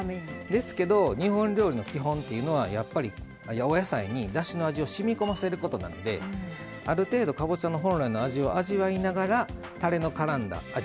ですけど日本料理の基本というのはやっぱりお野菜にだしの味をしみこませることなのである程度かぼちゃの本来の味を味わいながらたれのからんだ味